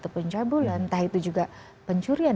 pencabulan entah itu juga pencurian